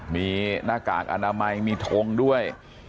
มีหน้ากากอนามัยมีทงด้วย